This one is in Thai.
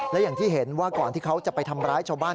และอย่างที่เห็นว่าก่อนที่เขาจะไปทำร้ายชาวบ้าน